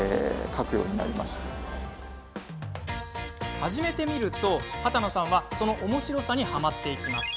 始めてみると、波多野さんはそのおもしろさにはまっていきます。